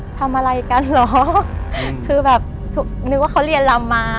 ทำอะไรกันเหรอคือแบบนึกว่าเขาเรียนลำมา